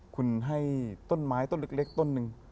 คุณให้ต้นไม้ต้นเล็กต้นหนึ่ง